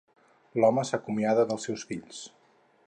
L'home s'acomiada dels seus fills.